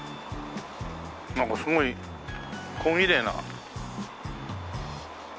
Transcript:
なんかすごい小ぎれいな。